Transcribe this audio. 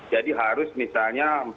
jadi harus misalnya rp empat